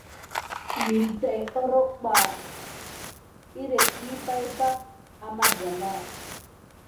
Wine tät óroko ɓa éyérne ɗi pay ama kedanga.